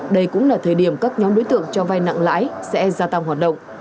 đây cũng là thời điểm các nhóm đối tượng cho vai nặng lãi sẽ gia tăng hoạt động